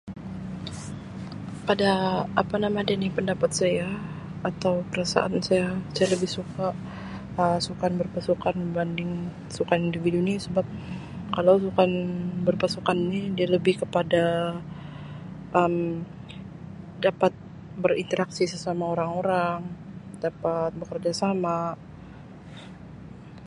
Pada apa nama dia ni pendapat saya atau perasaan saya saya lebih suka Um sukan berpasukan berbanding sukan individu ni sebab kalau sukan berpasukan ni dia lebih kepada Um dapat berinteraksi sesama orang-orang dapat bekerjasama.